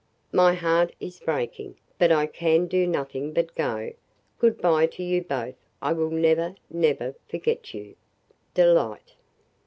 My heart is breaking, but I can do nothing but go. Good by to you both. I will never, never forget you. DELIGHT.